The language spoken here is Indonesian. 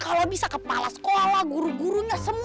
kalau bisa kepala sekolah guru gurunya semua